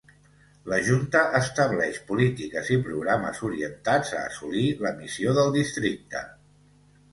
La Junta estableix polítiques i programes orientats a assolir la missió del districte.